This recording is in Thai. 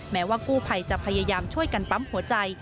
แม้ว่ากู้ภัยจะพยายามช่วยกันปั๊มหัวใจ